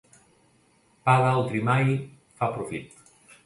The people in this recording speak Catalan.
Pa d'altri mai fa profit.